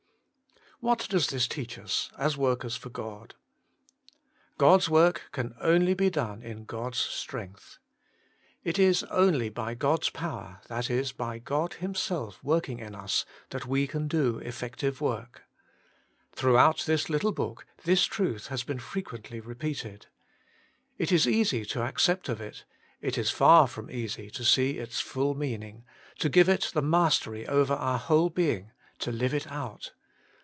What does this teach us as workers for God. God's work can only be done in God's strength. — It is only by God's power, that is, by God Himself working in us, that we can do effective work. Throughout this little book this truth has been frequently repeated. It is easy to accept of it ; it is far from easy to see its full meaning, to give it the mas tery over our whole being, to live it out.